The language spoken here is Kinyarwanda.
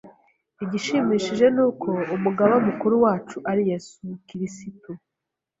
Igishimishije ni uko umugaba mukuru wacu ari we Yesu Kirisitu.